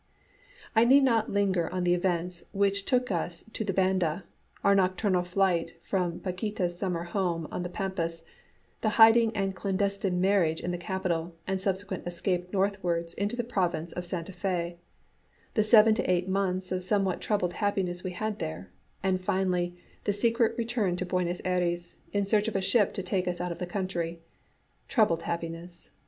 I need not linger on the events which took us to the Banda our nocturnal flight from Paquíta's summer home on the pampas; the hiding and clandestine marriage in the capital and subsequent escape northwards into the province of Santa Fé; the seven to eight months of somewhat troubled happiness we had there; and, finally, the secret return to Buenos Ayres in search of a ship to take us out of the country. Troubled happiness!